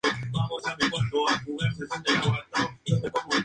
A flota fue adquirida por el gobierno estatal durante los retrasos de la obra.